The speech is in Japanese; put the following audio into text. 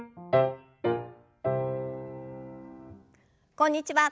こんにちは。